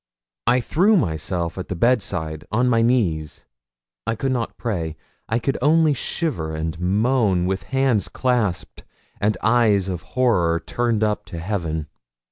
I threw myself at the bedside on my knees. I could not pray; I could only shiver and moan, with hands clasped, and eyes of horror turned up to heaven.